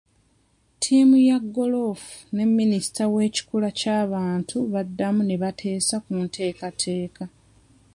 Ttiimu ya goolofu ne minisita w'ekikula ky'abantu baddamu ne bateesa ku nteekateeka.